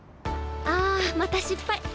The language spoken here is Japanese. あまた失敗！